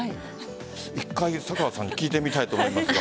１回、坂和さんに聞いてみたいと思いますが。